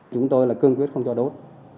chúng tôi là cương quyết không cho đốt